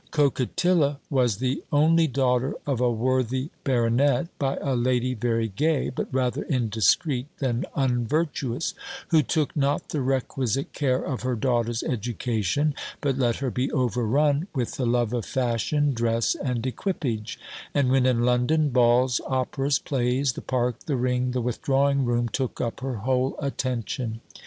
"Coquetilla was the only daughter of a worthy baronet, by a lady very gay, but rather indiscreet than unvirtuous, who took not the requisite care of her daughter's education, but let her be over run with the love of fashion, dress, and equipage; and when in London, balls, operas, plays, the Park, the Ring, the withdrawing room, took up her whole attention.